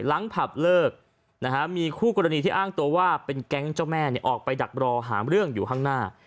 ผับเลิกมีคู่กรณีที่อ้างตัวว่าเป็นแก๊งเจ้าแม่ออกไปดักรอหาเรื่องอยู่ข้างหน้า